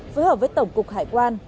phối hợp với tổng cục hải quan